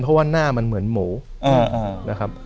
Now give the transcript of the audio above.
เพราะว่าหน้ามันเหมือนหมูนะครับ